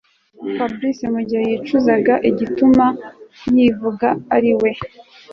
Fabric mugihe yicuzaga igitumye yivuga ariwe